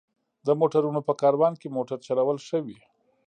د موټرونو په کاروان کې موټر چلول ښه وي.